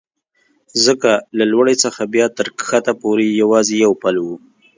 ځکه له لوړې څخه بیا تر کښته پورې یوازې یو پل و.